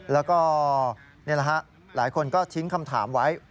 แล้วก็นี่แหละฮะหลายคนก็ทิ้งคำถามไว้